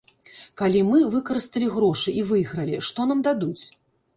Калі мы выкарысталі грошы і выйгралі, што нам дадуць?